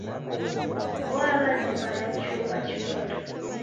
Oagha nyumba ya chumba chimweri.